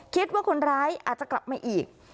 คิดว่าคนร้ายอาจจะกลับมาอีก